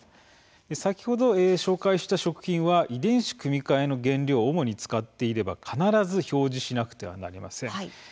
先ほど紹介した食品は遺伝子組み換えの原料を主に使っていれば必ず表示しなければなりません。